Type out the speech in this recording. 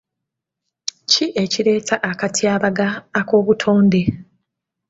Ki ekireeta akatyabaga ak'obutonde?